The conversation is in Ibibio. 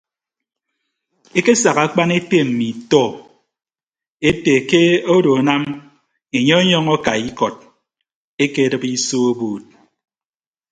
Ekesak akpaneka mmi itọ ete ke odo anam enye ọnyọñ akai ikọd akedịp iso obuud.